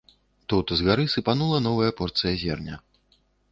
Тут згары сыпанула новая порцыя зерня.